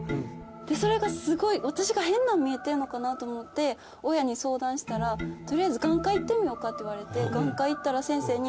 それが私が変なん見えてんのかなと思って親に相談したら取りあえず眼科行ってみようかって言われて眼科行ったら先生に。